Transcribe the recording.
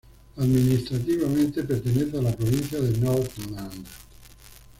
Administrativamente pertenece a la provincia de Nordland.